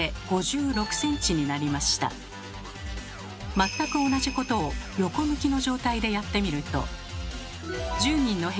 全く同じことを横向きの状態でやってみると。